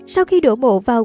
sau khi đổ bộ vào